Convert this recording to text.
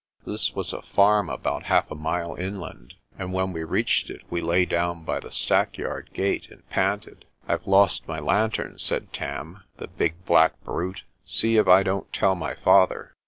This was a farm about half a mile inland, and when we reached it we lay down by the stack yard gate and panted. "I've lost my lantern," said Tarn. "The big black brute! See if I don't tell my father."